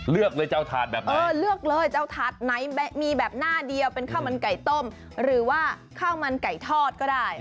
เลือกเลยเจ้าถาดแบบนี้เลือกเลยเจ้าถาดไหนมีแบบหน้าเดียวเป็นข้าวมันไก่ต้มหรือว่าข้าวมันไก่ทอดก็ได้